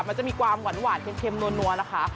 มันจะมีความหวานเค็มนัวนะคะ